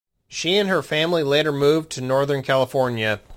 She and her family later moved to Northern California.